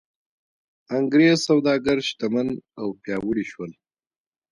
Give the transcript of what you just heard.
انګرېز سوداګر شتمن او پیاوړي شول.